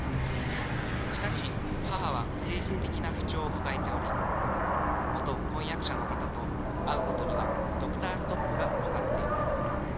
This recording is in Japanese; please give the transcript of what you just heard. しかし、母は精神的な不調を抱えており、元婚約者の方と会うことには、ドクターストップがかかっています。